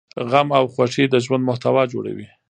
غم او خوښي د ژوند محتوا جوړوي.